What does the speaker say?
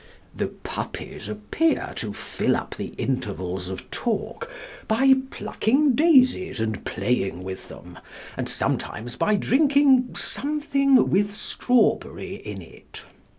The Puppies appear to fill up the intervals of talk by plucking daisies and playing with them, and sometimes by drinking "something with strawberry in it."